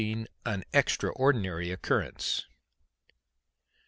AN EXTRAORDINARY OCCURRENCE.